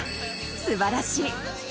素晴らしい！